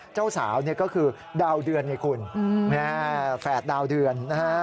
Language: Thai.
เจ้าสาวเนี่ยก็คือดาวเดือนไงคุณแฝดดาวเดือนนะฮะ